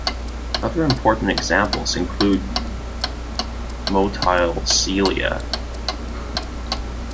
Other important examples include motile cilia.